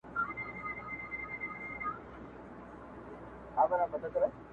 o له نیکونو راته پاته بې حسابه زر لرمه,